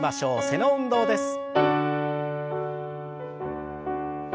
背の運動です。